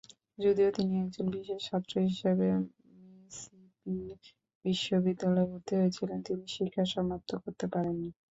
যদিও তিনি একজন বিশেষ ছাত্র হিসেবে মিসিসিপি বিশ্ববিদ্যালয়ে ভর্তি হয়েছিলেন, তিনি শিক্ষা সমাপ্ত করতে পারেননি।